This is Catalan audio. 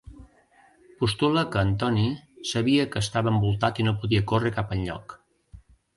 Postula que Antony sabia que estava envoltat i no podia córrer cap enlloc.